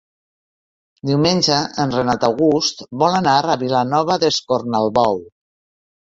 Diumenge en Renat August vol anar a Vilanova d'Escornalbou.